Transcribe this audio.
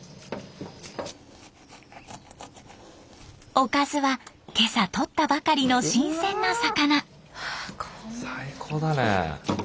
おかずは今朝取ったばかりの新鮮な魚。